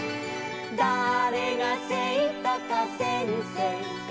「だれがせいとかせんせいか」